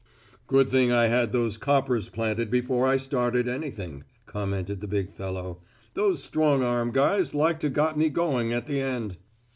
"Good thing I had those coppers planted before I started anything," commented the big fellow. "Those strong arm guys like to got me going at the end."